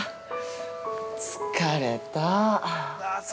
疲れた。